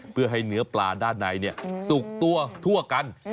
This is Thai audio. เพื่อให้เนื้อปลาด้านในสุกตัวทั่วกัน